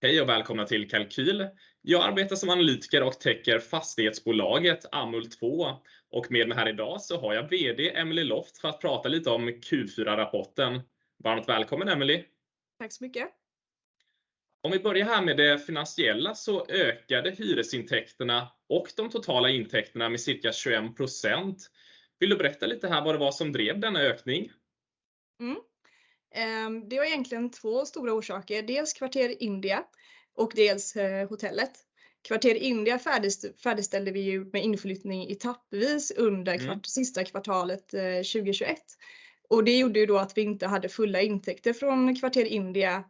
Hej, välkomna till Kalqyl. Jag arbetar som analytiker och täcker fastighetsbolaget Amhult 2. Med mig här i dag so har jag VD Emilie Loft för att prata lite om Q4-rapporten. Varmt välkommen, Emilie. Tack så mycket. Om vi börjar här med det finansiella ökade hyresintäkterna och de totala intäkterna med cirka 21%. Vill du berätta lite här vad det var som drev denna ökning? det var egentligen two stora orsaker. Dels kvarter India och dels hotellet. Kvarter India färdigställde vi ju med inflyttning etappvis under- Mm Det gjorde ju då att vi inte hade fulla intäkter från kvarter India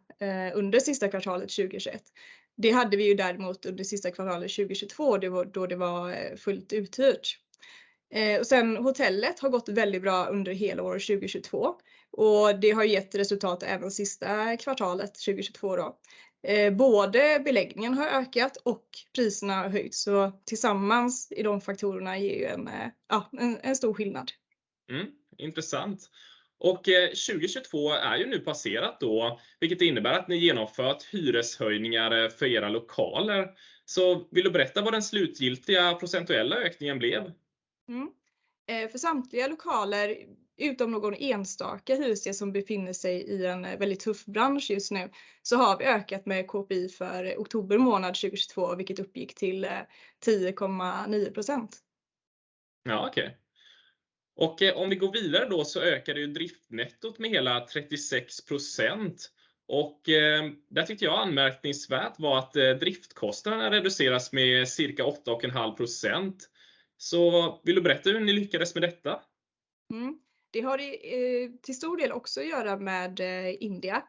under sista kvartalet 2021. Det hade vi ju däremot under sista kvartalet 2022 då det var fullt uthyrt. Hotellet har gått väldigt bra under helåret 2022 och det har gett resultat även sista kvartalet 2022 då. Både beläggningen har ökat och priserna har höjts. Tillsammans i de faktorerna ger ju en stor skillnad. Intressant. 2022 är ju nu passerat då, vilket innebär att ni genomfört hyreshöjningar för era lokaler. Vill du berätta vad den slutgiltiga procentuella ökningen blev? För samtliga lokaler, utom någon enstaka hyresgäst som befinner sig i en väldigt tuff bransch just nu, så har vi ökat med KPI för Oktober månad 2022, vilket uppgick till 10.9%. Ja, okej. Om vi går vidare då så ökade ju driftnettot med hela 36%. Det tyckte jag anmärkningsvärt var att driftkostnaderna reduceras med cirka 8.5%. Vill du berätta hur ni lyckades med detta? Det har ju till stor del också att göra med India.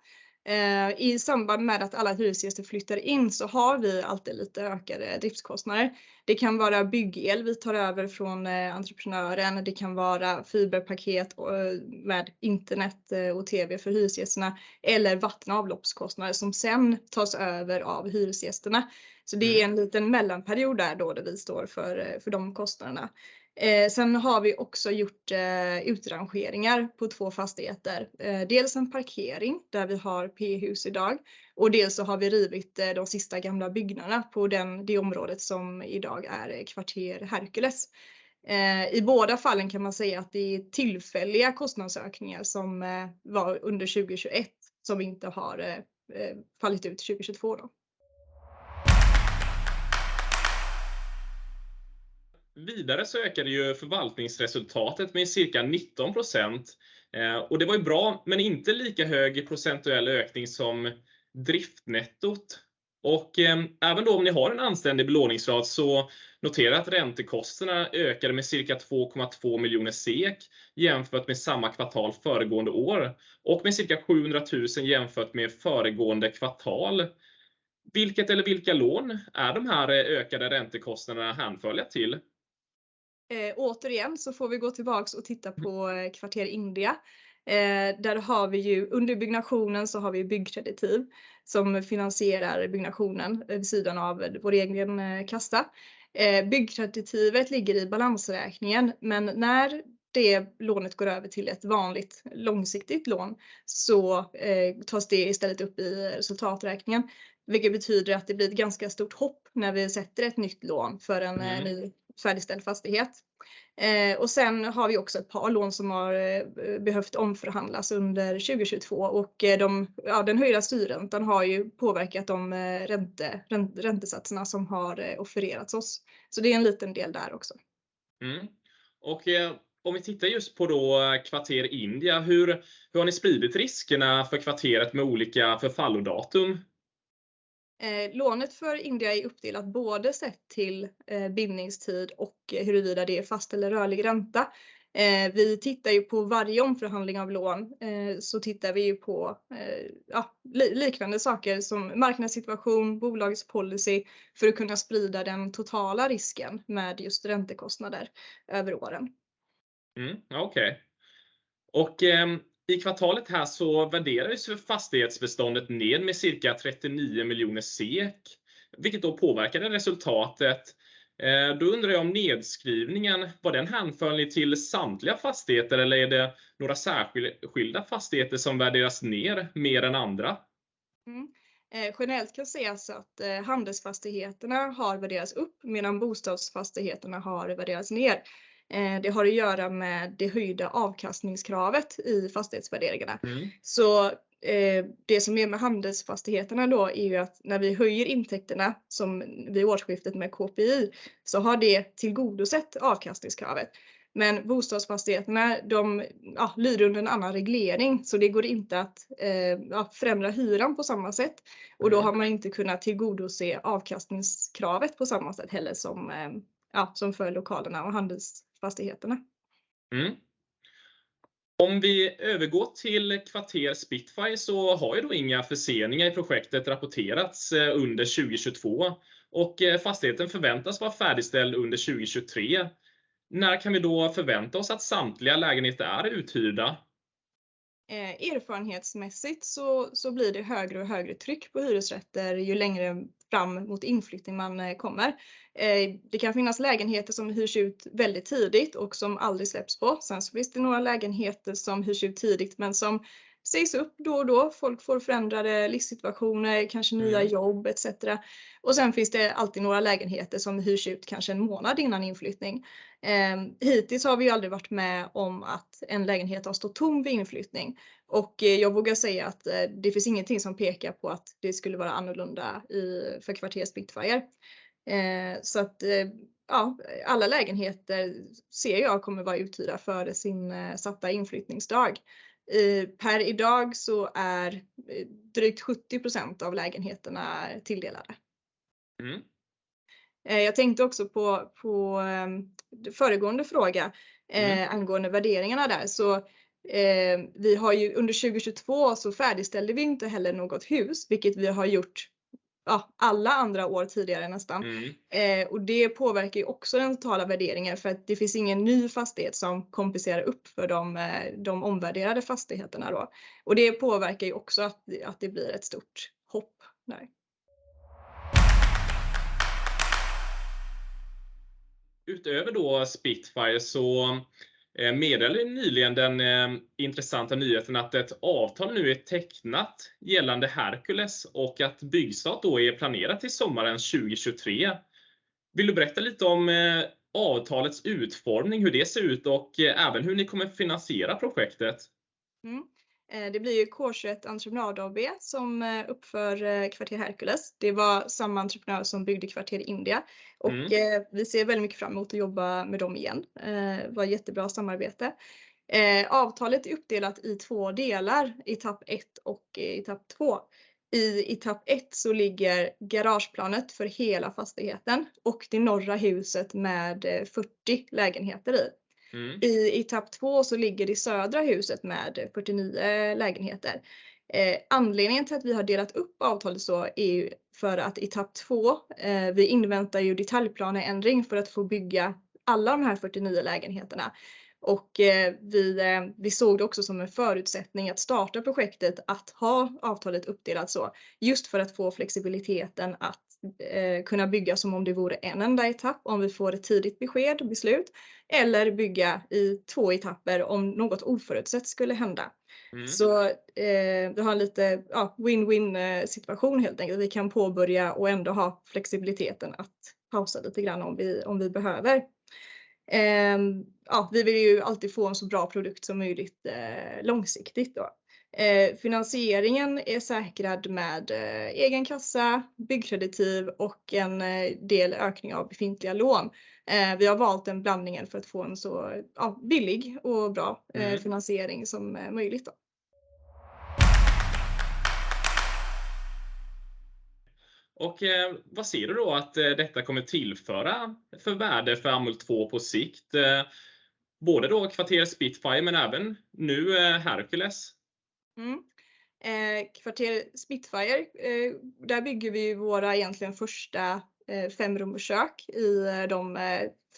I samband med att alla hyresgäster flyttar in så har vi alltid lite ökade driftskostnader. Det kan vara byggel vi tar över från entreprenören, det kan vara fiberpaket och med internet och tv för hyresgästerna eller vattenavloppskostnader som sedan tas över av hyresgästerna. Det är en liten mellanperiod där då där vi står för de kostnaderna. Vi har också gjort utrangeringar på 2 fastigheter. Dels en parkering där vi har p-hus i dag och dels så har vi rivit de sista gamla byggnaderna på den, det området som i dag är kvarter Herkules. I båda fallen kan man säga att det är tillfälliga kostnadsökningar som var under 2021 som inte har fallit ut 2022 då. Vidare ökade ju förvaltningsresultatet med cirka 19%. Det var ju bra, men inte lika hög i procentuell ökning som driftnettot. Även då om ni har en anständig belåningsgrad noterar att räntekostnaderna ökade med cirka 2.2 million SEK jämfört med samma kvartal föregående år och med cirka 700,000 jämfört med föregående kvartal. Vilket eller vilka lån är de här ökade räntekostnaderna hänförliga till? Återigen får vi gå tillbaks och titta på kvarter India. Där har vi ju under byggnationen så har vi byggkreditiv som finansierar byggnationen vid sidan av vår egen kassa. Byggkreditivet ligger i balansräkningen, när det lånet går över till ett vanligt långsiktigt lån så tas det istället upp i resultaträkningen, vilket betyder att det blir ett ganska stort hopp när vi sätter ett nytt lån. Mm ...ny färdigställd fastighet. Vi har också ett par lån som har behövt omförhandlas under 2022. Den höjda styrräntan har ju påverkat de räntesatserna som har offererats oss. Det är en liten del där också. Om vi tittar just på då kvarter India, hur har ni spridit riskerna för kvarteret med olika förfallodatum? Lånet för India är uppdelat både sett till bindningstid och huruvida det är fast eller rörlig ränta. Vi tittar ju på varje omförhandling av lån. Tittar vi ju på liknande saker som marknadssituation, bolagets policy för att kunna sprida den totala risken med just räntekostnader över åren. Ja okej. I kvartalet här så värderades fastighetsbeståndet ned med cirka 39 million SEK, vilket då påverkade resultatet. Då undrar jag om nedskrivningen, var den hänförlig till samtliga fastigheter eller är det några skilda fastigheter som värderas ner mer än andra? Generellt kan sägas att handelsfastigheterna har värderats upp medan bostadsfastigheterna har värderats ner. Det har att göra med det höjda avkastningskravet i fastighetsvärderingarna. Det som är med handelsfastigheterna då är ju att när vi höjer intäkterna, som vid årsskiftet med KPI, så har det tillgodosett avkastningskravet. Bostadsfastigheterna, de lyder under en annan reglering, så det går inte att förändra hyran på samma sätt. Då har man inte kunnat tillgodose avkastningskravet på samma sätt heller som för lokalerna och handelsfastigheterna. Om vi övergår till kvarter Spitfire har ju då inga förseningar i projektet rapporterats under 2022 och fastigheten förväntas vara färdigställd under 2023. När kan vi då förvänta oss att samtliga lägenheter är uthyrda? Erfarenhetsmässigt så blir det högre och högre tryck på hyresrätter ju längre fram mot inflyttning man kommer. Det kan finnas lägenheter som hyrs ut väldigt tidigt och som aldrig släpps bort. Sen så finns det några lägenheter som hyrs ut tidigt men som sägs upp då och då. Folk får förändrade livssituationer, kanske nya jobb et cetera. Sen finns det alltid några lägenheter som hyrs ut kanske en månad innan inflyttning. Hittills har vi aldrig varit med om att en lägenhet har stått tom vid inflyttning. Jag vågar säga att det finns ingenting som pekar på att det skulle vara annorlunda i för kvarteret Spitfire. Att ja alla lägenheter ser jag kommer vara uthyrda före sin satta inflyttningsdag. Per idag så är drygt 70% av lägenheterna tilldelade. Mm. jag tänkte också på föregående fråga angående värderingarna där. vi har ju under 2022 så färdigställde vi inte heller något hus, vilket vi har gjort alla andra år tidigare nästan. det påverkar ju också den totala värderingen för att det finns ingen ny fastighet som kompenserar upp för de omvärderade fastigheterna då. det påverkar ju också att det blir ett stort hopp där. Utöver då Spitfire så meddelade ju nyligen den intressanta nyheten att ett avtal nu är tecknat gällande Herkules och att byggstart då är planerat till sommaren 2023. Vill du berätta lite om avtalets utformning, hur det ser ut och även hur ni kommer finansiera projektet? det blir ju K21 Entreprenad AB som uppför kvarter Herkules. Det var samma entreprenör som byggde kvarter. Mm. Vi ser väldigt mycket fram emot att jobba med dem igen. Det var ett jättebra samarbete. Avtalet är uppdelat i 2 delar, etapp 1 och etapp 2. I etapp 1 så ligger garageplanet för hela fastigheten och det norra huset med 40 lägenheter i. Mm. I etapp två så ligger det södra huset med 49 lägenheter. Anledningen till att vi har delat upp avtalet så är ju för att etapp två, vi inväntar ju detaljplaneändring för att få bygga alla de här 49 lägenheterna. Vi såg det också som en förutsättning att starta projektet att ha avtalet uppdelat så just för att få flexibiliteten att kunna bygga som om det vore en enda etapp. Om vi får ett tidigt besked och beslut. Bygga i två etapper om något oförutsett skulle hända. Mm. Vi har en lite win-win-situation helt enkelt. Vi kan påbörja och ändå ha flexibiliteten att pausa lite grann om vi, om vi behöver. Vi vill ju alltid få en så bra produkt som möjligt långsiktigt då. Finansieringen är säkrad med egen kassa, byggkreditiv och en del ökning av befintliga lån. Vi har valt den blandningen för att få en så billig och bra. Mm. Finansiering som möjligt då. Vad ser du då att detta kommer tillföra för värde för Amhult 2 på sikt? Både då kvarteret Spitfire men även nu Herkules. Kvarter Spitfire, där bygger vi våra egentligen första five rum och kök i de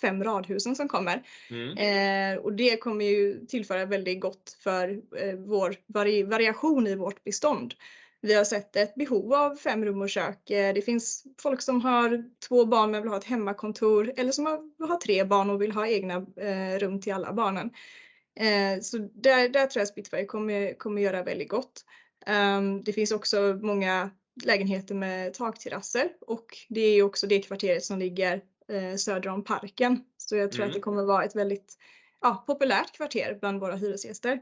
five radhusen som kommer. Mm. Det kommer ju tillföra väldigt gott för vår variation i vårt bestånd. Vi har sett ett behov av fem rum och kök. Det finns folk som har två barn men vill ha ett hemmakontor eller som har tre barn och vill ha egna rum till alla barnen. Där, där tror jag Spitfire kommer göra väldigt gott. Det finns också många lägenheter med takterrasser och det är också det kvarteret som ligger söder om parken. Jag tror att det kommer vara ett väldigt ja populärt kvarter bland våra hyresgäster.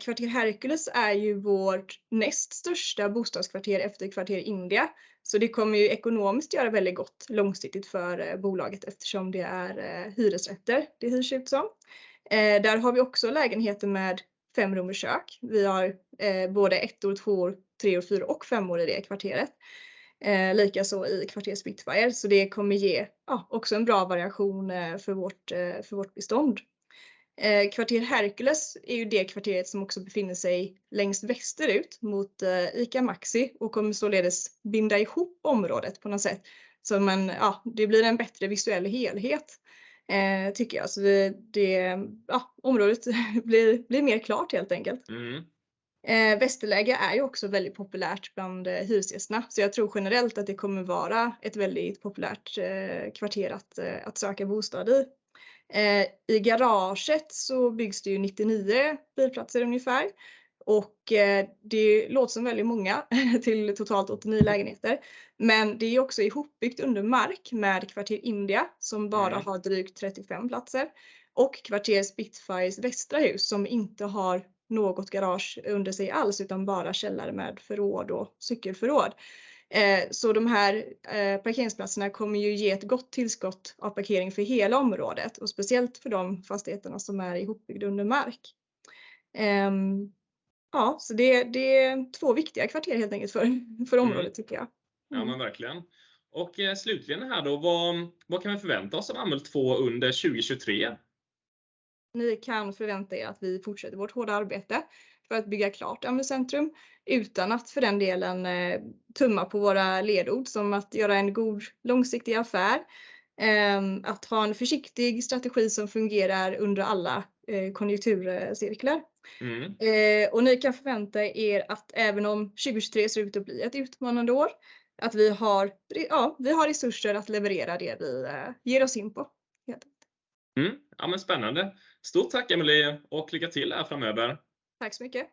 Kvarter Herkules är ju vårt näst största bostadskvarter efter kvarter India. Det kommer ju ekonomiskt göra väldigt gott långsiktigt för bolaget eftersom det är hyresrätter det hyrs ut som. Där har vi också lägenheter med fem rum och kök. Vi har både ettor, tvåor, treor, fyror och femmor i det kvarteret. Likaså i kvarter Spitfire, det kommer ge också en bra variation för vårt, för vårt bestånd. Kvarter Herkules är ju det kvarteret som också befinner sig längst väster ut mot ICA Maxi och kommer således binda ihop området på något sätt. Man det blir en bättre visuell helhet tycker jag. Det området blir mer klart helt enkelt. Mm. Västerläge är ju också väldigt populärt bland hyresgästerna. Jag tror generellt att det kommer vara ett väldigt populärt kvarter att söka bostad i. I garaget så byggs det ju 99 bilplatser ungefär. Det låter som väldigt många till totalt 89 lägenheter. Det är också ihopbyggt under mark med kvarter India. Okej. Som bara har drygt 35 platser och kvarter Spitfires västra hus som inte har något garage under sig alls utan bara källare med förråd och cykelförråd. De här parkeringsplatserna kommer ju ge ett gott tillskott av parkering för hela området och speciellt för de fastigheterna som är ihopbyggda under mark. ja, det är två viktiga kvarter helt enkelt för området tycker jag. Ja men verkligen. Slutligen här då, vad kan vi förvänta oss av Amhult 2 under 2023? Ni kan förvänta er att vi fortsätter vårt hårda arbete för att bygga klart Amhult Centrum utan att för den delen tumma på våra ledord. Som att göra en god långsiktig affär, att ha en försiktig strategi som fungerar under alla konjunkturcirklar. Mm. Ni kan förvänta er att även om 2023 ser ut att bli ett utmanande år, att vi har ja vi har resurser att leverera det vi ger oss in på helt enkelt. Ja men spännande. Stort tack Emilie och lycka till här framöver. Tack så mycket.